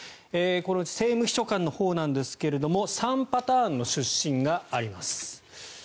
このうち政務秘書官のほうなんですが３パターンの出身があります。